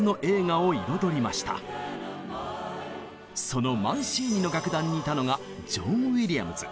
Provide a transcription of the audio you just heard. そのマンシーニの楽団にいたのがジョン・ウィリアムズ。